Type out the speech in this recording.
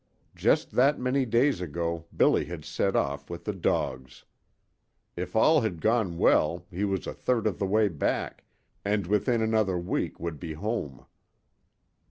Just that many days ago Billy had set off with the dogs. If all had gone well he was a third of the way back, and within another week would be "home."